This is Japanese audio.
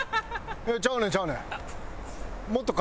いやちゃうねんちゃうねん。